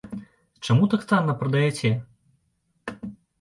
Чаму так танна прадаяце?